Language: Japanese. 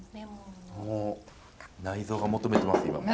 内臓が求めてます今。